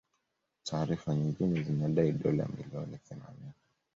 Taarifa nyingine zinadai dola milioni themanini